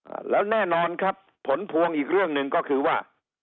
อ่าแล้วแน่นอนครับผลพวงอีกเรื่องหนึ่งก็คือว่า